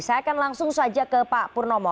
saya akan langsung saja ke pak purnomo